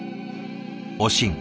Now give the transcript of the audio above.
「おしん」